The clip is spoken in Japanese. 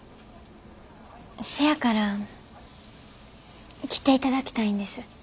せやから来ていただきたいんです。